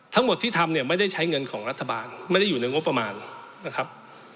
ทั้งหมดที่ทำเนี่ยไม่ได้ใช้เงินของรัฐบาลไม่ได้อยู่ในงบประมาณนะครับ